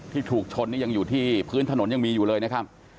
ที่ถูกชนนี่ยังอยู่ที่พื้นถนนยังมีอยู่เลยนะครับ